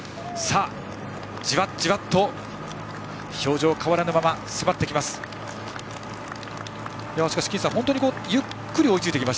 じわじわと表情変わらぬまま迫ってきます。